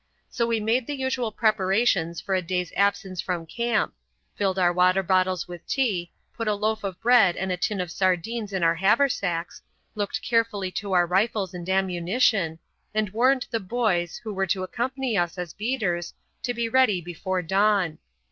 So we made the usual preparations for a day's absence from camp filled our water bottles with tea, put a loaf of bread and a tin of sardines in our haversacks, looked carefully to our rifles and ammunition; and warned the "boys" who were to accompany us as beaters to be ready before dawn.